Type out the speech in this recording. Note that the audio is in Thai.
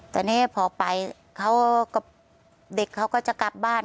ตอนนี้พอไปเด็กเขาก็จะกลับบ้าน